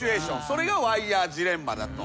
それがワイヤージレンマだと。